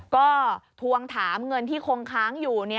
ก็ทวงถามเงินที่คงค้างอยู่